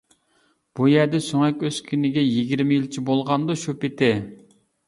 بۇ يەردە سۆڭەك ئۆسكىنىگە يىگىرمە يىلچە بولغاندۇ شۇ پىتى.